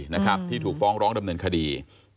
นะครับที่ถูกฟ้องร้องดำเนินคดี